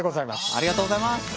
ありがとうございます。